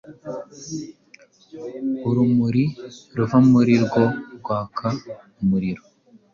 urumuri ruva muri rwo rwaka umuriro